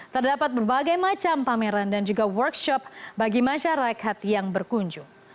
terdapat berbagai macam pameran dan juga workshop bagi masyarakat yang berkunjung